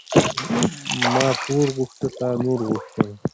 ـ ما پور غوښته تا نور غوښته.